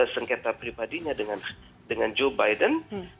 sengketa pribadinya dengan joe biden